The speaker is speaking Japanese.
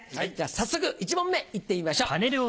早速１問目いってみましょう。